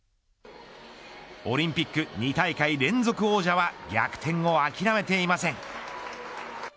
オリンピック２大会連続王者は逆転を諦めていません。